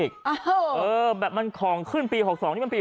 กลับมาพร้อมขอบความ